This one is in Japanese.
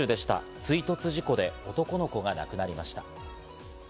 追突事故で男の子が亡くなりました。